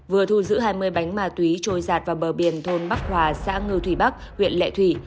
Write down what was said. vừa thu giữ hai mươi bánh ma túy trôi giạt vào bờ biển thôn bắc hòa xã ngư thủy bắc huyện lệ thủy